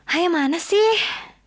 ayah mana sih